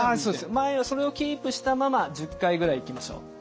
前をそれをキープしたまま１０回ぐらいいきましょう。